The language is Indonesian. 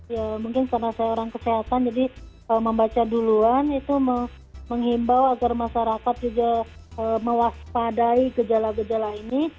ya mungkin karena saya orang kesehatan jadi membaca duluan itu menghimbau agar masyarakat juga mewaspadai gejala gejala ini